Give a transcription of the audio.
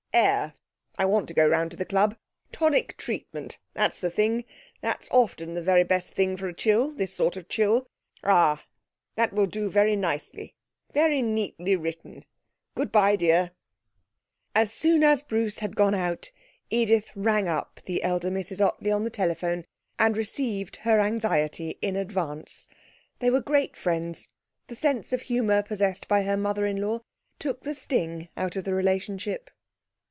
'Air! (I want to go round to the club) tonic treatment! that's the thing! that's often the very best thing for a chill this sort of chill.... Ah, that will do very nicely. Very neatly written.... Good bye, dear.' As soon as Bruce had gone out Edith rang up the elder Mrs Ottley on the telephone, and relieved her anxiety in advance. They were great friends; the sense of humour possessed by her mother in law took the sting out of the relationship.